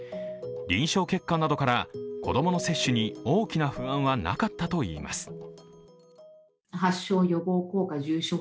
臨床結果などから子供の接種に大きな不安はなかったといいます。